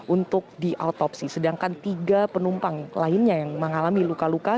untuk diautopsi sedangkan tiga penumpang lainnya yang mengalami luka luka